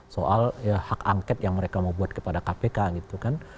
soal hak angket yang mereka mau buat kepada kpk gitu kan